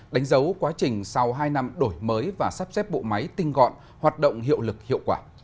đánh dấu quá trình sau hai năm đổi mới và sắp xếp bộ máy tinh gọn hoạt động hiệu lực hiệu quả